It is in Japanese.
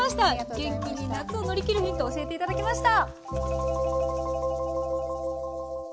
元気に夏を乗り切るヒント教えていただきました。